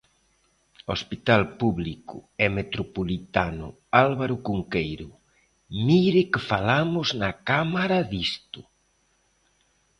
Hospital público e metropolitano Álvaro Cunqueiro, ¡mire que falamos na Cámara disto!